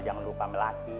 jangan lupa ngelatih